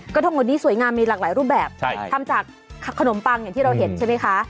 ทั้งหมดนี้สวยงามมีหลากหลายรูปแบบทำจากขนมปังอย่างที่เราเห็นใช่ไหมคะ